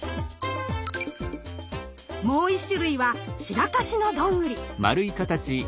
もう１種類はシラカシのどんぐり。